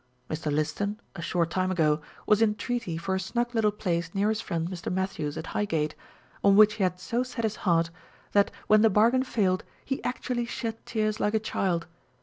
Mr. Liston a short time ago was in treaty for a snug little place near his friend Mr. Mathews l at Highgate, on which he had so set his heart, that when the bargain failed he actually shed tears like a child.